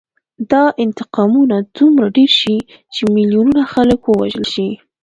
دا انتقامونه دومره ډېر شي چې میلیونونه خلک ووژل شي